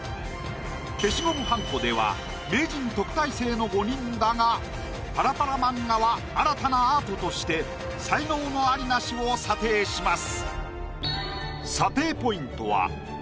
消しゴムはんこでは名人特待生の５人だがパラパラ漫画は新たなアートとして才能のアリナシを査定します。